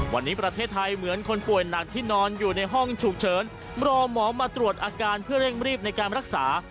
วันนี้ประเทศไทยเหมือนคนป่วยหนักที่นอนอยู่ในห้องฉุกเฉินรอหมอมาตรวจอาการเพื่อเร่งรีบในการรักษา